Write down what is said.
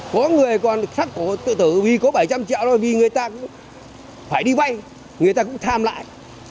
có người còn sắc tử tử vì có bảy trăm linh triệu thôi vì người ta cũng phải đi vay người ta cũng tham lại